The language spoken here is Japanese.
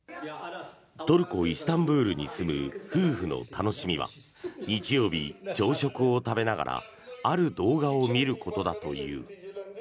トルコ・イスタンブールに住む夫婦の楽しみは日曜日に朝食を食べながらある動画を見ることだという。